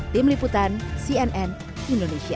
tim liputan cnn indonesia